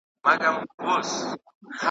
له لمني یې د وینو زڼي پاڅي .